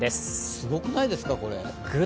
すごくないですか、これ。